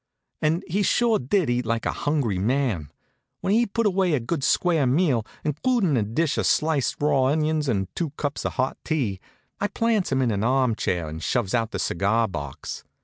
And he sure did eat like a hungry man. When he'd put away a good square meal, includin' a dish of sliced raw onions and two cups of hot tea, I plants him in an arm chair and shoves out the cigar box.